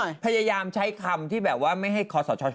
พี่แต่นั้นพยายามใช้คำที่แบบว่าได้คอสอชอห์